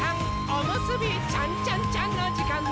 おむすびちゃんちゃんちゃんのじかんです！